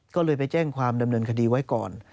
ก็เลยไปแจ้งความดำเนินคดีไว้ก่อน